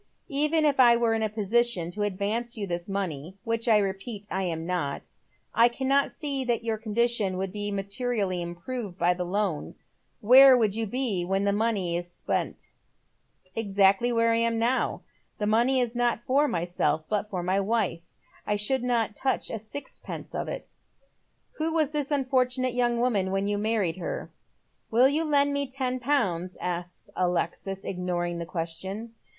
•' Even if I were in a position to advance you this money — which I repeat lam not — I cannot see that your condition would be materially improved by the loan. Where would you be when the money was spent ?"" Exactly where I am now. The money is not for myself, hut for my wife. I should not touch a sixpence of it." " Who was this unfortunate young woman when you married her ?"" Will you lend me ten pounds ?" asks Alexis, ignoring the question.